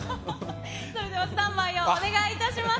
それではスタンバイをお願いいたします。